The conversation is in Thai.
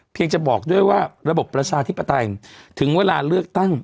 จะบอกด้วยว่าระบบประชาธิปไตยถึงเวลาเลือกตั้ง